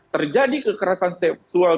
terjadi kekerasan seksual